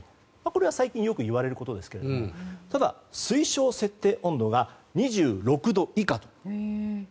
これは最近よく言われますが推奨設定温度が２６度以下。